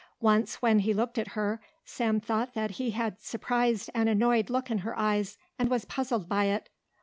Once when he looked at her Sam thought that he had surprised an annoyed look in her eyes and was puzzled by it.